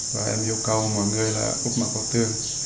và em yêu cầu mọi người là úp mặt vào tường